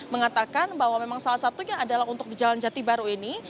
mengatakan bahwa memang salah satunya adalah untuk di jalan jati baru ini